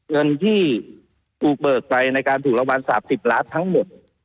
เงินที่ถูกเบิกไปในการถูกรางวัล๓๐ล้านทั้งหมด